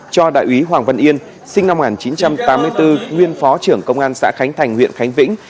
cho đại úy hoàng văn yên sinh năm một nghìn chín trăm tám mươi bốn nguyên phó trưởng công an xã khánh thành huyện khánh vĩnh